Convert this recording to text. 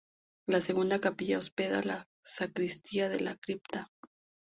La segunda capilla hospeda la sacristía de la cripta.